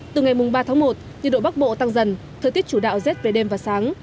từ ngày ba tháng một nhiệt độ bắc bộ tăng dần thời tiết chủ đạo rét về đêm và sáng